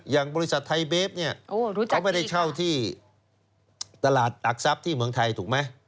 อย่างบริษัทไทยเบฟเนี่ยเขาไม่ได้เช่าที่ตลาดหลักทรัพย์ที่เมืองไทยถูกไหม